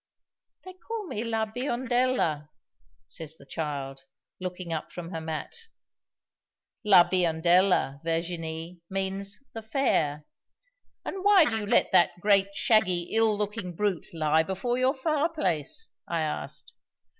'They call me La Biondella,' says the child, looking up from her mat (La Biondella, Virginie, means The Fair). 'And why do you let that great, shaggy, ill looking brute lie before your fireplace?' I asked.